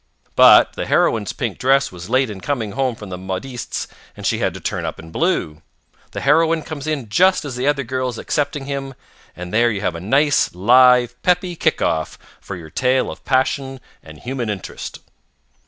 But the heroine's pink dress was late in coming home from the modiste's and she had to turn up in blue. The heroine comes in just as the other girl is accepting him, and there you have a nice, live, peppy, kick off for your tale of passion and human interest.